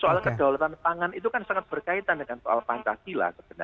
soal kedaulatan pangan itu kan sangat berkaitan dengan soal pancasila sebenarnya